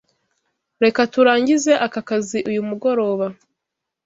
Reka turangize aka kazi uyu mugoroba.